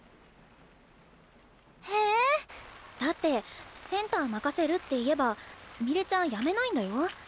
ええ⁉だってセンター任せるって言えばすみれちゃんやめないんだよ？